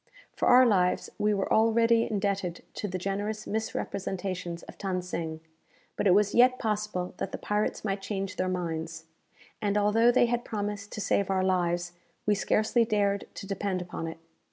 For our lives we were already indebted to the generous misrepresentations of Than Sing; but it was yet possible that the pirates might change their minds, and although they had promised to save our lives, we scarcely dared to depend upon it.